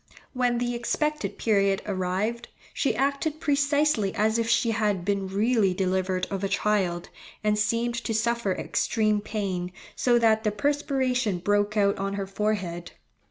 When the expected period arrived, she acted precisely as if she had been really delivered of a child, and seemed to suffer extreme pain, so that the perspiration broke out on her forehead.